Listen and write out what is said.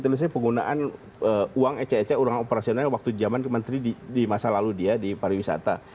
diterisi terisi penggunaan uang ece ece uang operasional waktu zaman kementri di masa lalu dia di pariwisata